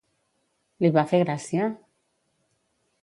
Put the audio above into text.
Li va fer gràcia?